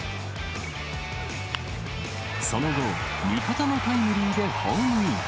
その後、味方のタイムリーでホームイン。